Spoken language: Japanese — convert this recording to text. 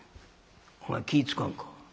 お前気ぃ付かんか？